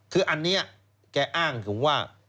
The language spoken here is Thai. คืออันนี้แกอ้างอยู่ว่า